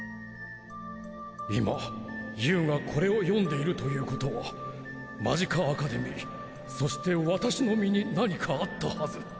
「今ＹＯＵがこれを読んでいるということはマジカアカデミーそして私の身に何かあったはず」